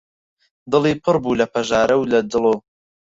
دڵی پڕ بوو لە پەژارە و لە دڵۆ